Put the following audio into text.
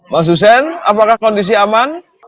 mas hussein apakah kondisi aman